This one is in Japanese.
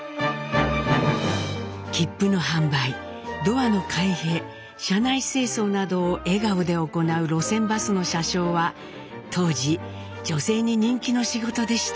切符の販売ドアの開閉車内清掃などを笑顔で行う路線バスの車掌は当時女性に人気の仕事でした。